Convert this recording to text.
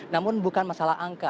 namun bukan masalah angka